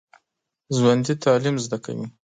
ژوندي تعلیم زده کوي